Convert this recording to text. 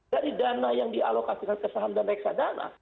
dari dana yang dialokasikan ke saham dan reksadana